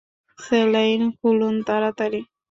Saline খুলুন তাড়াতাড়ি!